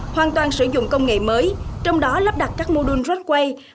hồ điều tiết ngầm là một công nghệ mới trong đó lắp đặt các mô đun roadway